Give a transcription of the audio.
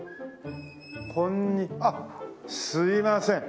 こんにあっすいません。